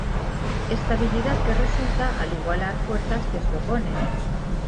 Estabilidad que resulta al igualar fuerzas que se oponen.